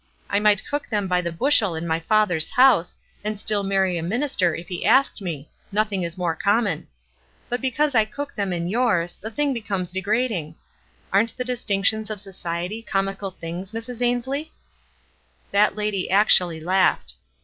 I might cook them by the bushel in my father's house, and still marry a minister if he asked mo — nothing is more common ; but because I cook them in yours the thins* becomes de£rradin£. Aren't the distinctions of society comical things, Mrs. Ainslie?" That lady actually laughed.